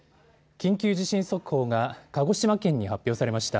緊急地震速報が鹿児島県に発表されました。